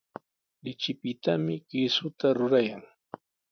Lichipitami kiisuta rurayan.